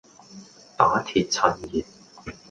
打鐵趁熱